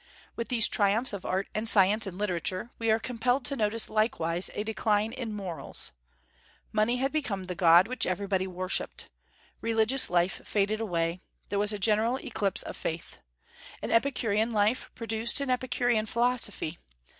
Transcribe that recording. With these triumphs of art and science and literature, we are compelled to notice likewise a decline in morals. Money had become the god which everybody worshipped. Religious life faded away; there was a general eclipse of faith. An Epicurean life produced an Epicurean philosophy.